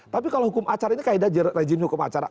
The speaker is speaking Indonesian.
tapi kalau hukum acara ini kayak ada regime hukum acara